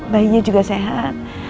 bayinya juga sehat